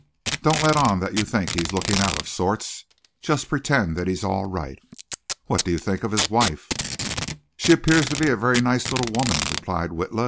Don't let on that you think he's looking out of sorts. Just pretend that he's all right. What do you think of his wife?" "She appears to be a very nice little woman," replied Witla.